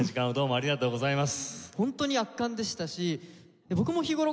ありがとうございます。